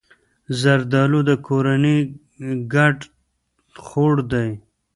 زردالو د کورنۍ ګډ خوړ دی.